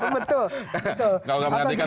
betul kalau gak mengantikan